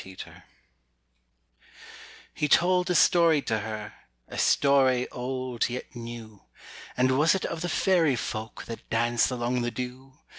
UNDER THE ROSE He told a story to her, A story old yet new And was it of the Faëry Folk That dance along the dew?